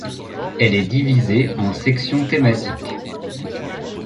Elle est divisée en sections thématiques.